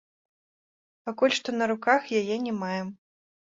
Пакуль што на руках яе не маем.